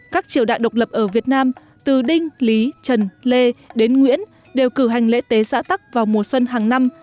các triều đại độc lập ở việt nam từ đinh lý trần lê đến nguyễn đều cử hành lễ tế xã tắc vào mùa xuân hàng năm